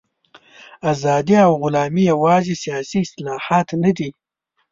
ازادي او غلامي یوازې سیاسي اصطلاحات نه دي.